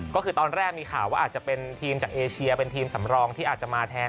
ก็คือตอนแรกมีข่าวว่าอาจจะเป็นทีมจากเอเชียเป็นทีมสำรองที่อาจจะมาแทน